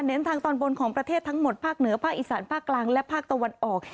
ทางตอนบนของประเทศทั้งหมดภาคเหนือภาคอีสานภาคกลางและภาคตะวันออก